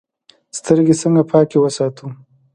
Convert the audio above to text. سترګې څنګه پاکې وساتو؟